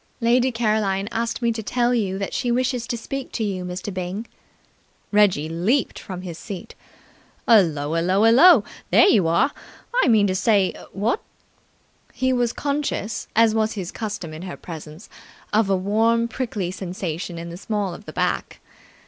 "Lady Caroline asked me to tell you that she wishes to speak to you, Mr. Byng." Reggie leaped from his seat. "Hullo ullo ullo! There you are! I mean to say, what?" He was conscious, as was his custom in her presence, of a warm, prickly sensation in the small of the back.